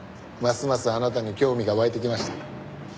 ますますあなたに興味が湧いてきました。